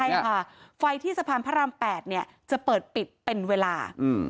ใช่ค่ะไฟที่สะพานพระราม๘เนี่ยจะเปิดปิดเป็นเวลา